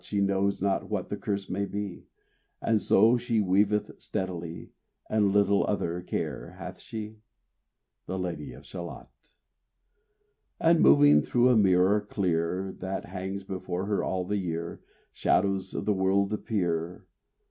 She knows not what the curse may be, And so she weaveth steadily, And little other care hath she, The Lady of Shalott. And moving through a mirror clear That hangs before her all the year, Shadows of the world appear.